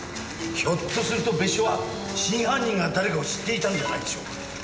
ひょっとすると別所は真犯人が誰かを知っていたんじゃないでしょうか？